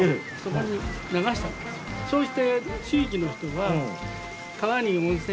そうして。